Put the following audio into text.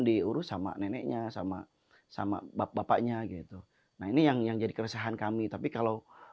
diurus sama neneknya sama sama bapaknya gitu nah ini yang jadi keresahan kami tapi kalau